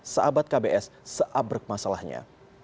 seabad kbs seabrek masalahnya